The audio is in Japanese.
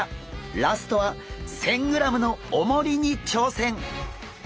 ラストは１，０００ｇのおもりにちょうせん！